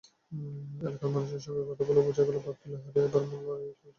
এলাকার মানুষের সঙ্গে কথা বলেও বোঝা গেল, বাপ্পী লাহিড়ী এবার মূল লড়াইয়ে থাকছেন।